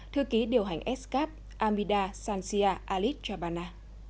thư ký điều hành s cap amida sanchia alitjabana